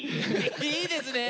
いいですね！